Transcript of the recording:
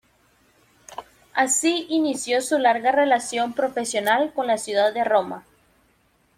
Así inició su larga relación profesional con la ciudad de Roma.